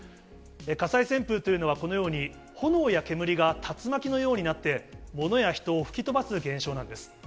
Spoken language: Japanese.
火災旋風というのはこのように、炎や煙が竜巻のようになって、物や人を吹き飛ばす現象なんです。